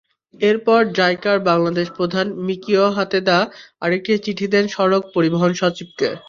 এরপর জাইকার বাংলাদেশ প্রধান মিকিও হাতেদা আরেকটি চিঠি দেন সড়ক পরিবহনসচিবকে।